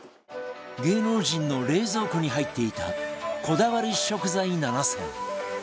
芸能人の冷蔵庫に入っていたこだわり食材７選